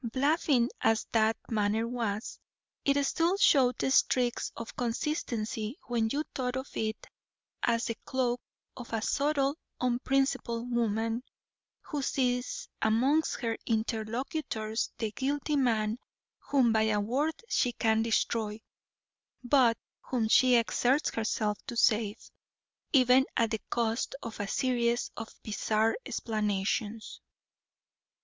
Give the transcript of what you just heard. Baffling as that manner was, it still showed streaks of consistency, when you thought of it as the cloak of a subtle, unprincipled woman, who sees amongst her interlocutors the guilty man whom by a word she can destroy, but whom she exerts herself to save, even at the cost of a series of bizarre explanations.